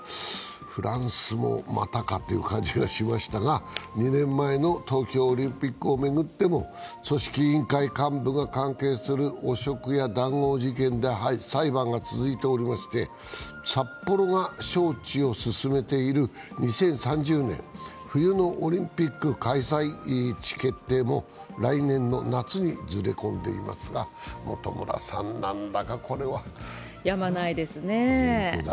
フランスもまたかという感じがしましたが、２年前の東京オリンピックを巡っても組織委員会幹部が関係する汚職や談合事件で裁判が続いておりまして、札幌が招致を進めている２０３０年冬のオリンピック開催地決定も来年の夏にずれ込んでいますがこれも、やまないですね。